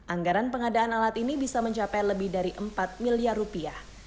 anggaran pengadaan alat ini bisa mencapai lebih dari empat miliar rupiah